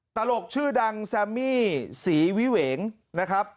ตลกชื่อดังแซมมี่ศรีวิเหวงนะครับ